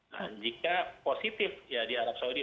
nah jika positif ya di arab saudi